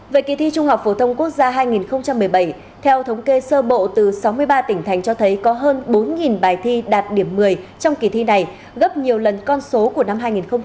về kỳ thi trung học phổ thông quốc gia hai nghìn một mươi bảy theo thống kê sơ bộ từ sáu mươi ba tỉnh thành cho thấy có hơn bốn bài thi đạt điểm một mươi trong kỳ thi này gấp nhiều lần con số của năm hai nghìn một mươi tám